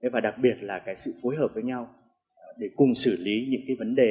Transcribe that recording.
và đặc biệt là sự phối hợp với nhau để cùng xử lý những vấn đề